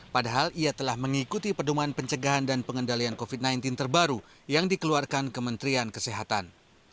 padahal ia telah mengikuti pedoman pencegahan dan pengendalian covid sembilan belas terbaru yang dikeluarkan kementerian kesehatan